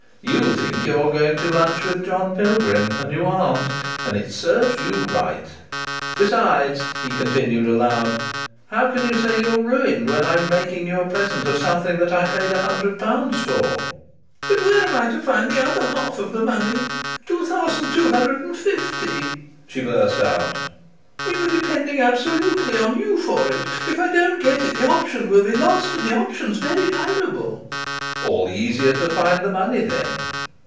"You think you're going to lunch with John Pilgrim. And you aren't. And it serves you right!") "Besides," he continued aloud, "how can you say you're ruined when I'm making you a present of something that I paid £100 for?" "But where am I to find the other half of the money £2250?" she burst out. "We were depending absolutely on you for it. If I don't get it, the option will be lost, and the option's very valuable." "All the easier to find the money then!"